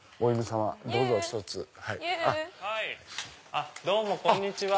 あっどうもこんにちは。